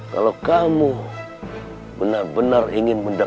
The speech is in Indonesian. kalau kamu benar benar ingin mendapatkan